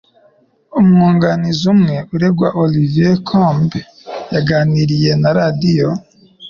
Umwunganizi umwe uregwa, Olivier Combe, yaganiriye na radiyo